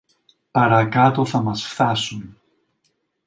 Παρακάτω θα μας φθάσουν.